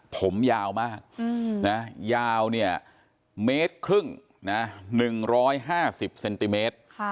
ผมยาวมากยาวเมตรครึ่ง๑๕๐เซนติเมตร